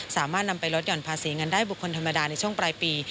สามารถนำไปลดห่อนภาษีเงินได้บุคคลธรรมดาในช่วงปลายปี